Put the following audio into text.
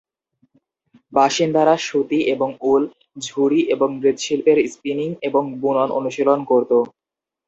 বাসিন্দারা সুতি এবং উল, ঝুড়ি এবং মৃৎশিল্পের স্পিনিং এবং বুনন অনুশীলন করত।